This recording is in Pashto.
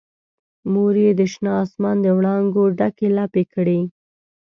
مور یې د شنه اسمان دوړانګو ډکې لپې کړي